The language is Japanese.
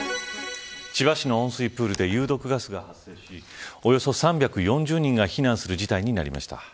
千葉市の温水プールで有毒ガスが発生しおよそ３４０人が避難する事態になりました。